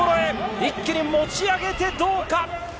一気に持ち上げてどうか？